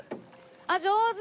あっ上手！